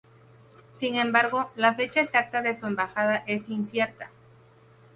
Sin embargo, la fecha exacta de su embajada es incierta.